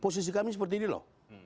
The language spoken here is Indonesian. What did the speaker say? posisi kami seperti ini loh